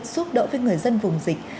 giúp đỡ với người dân vùng dịch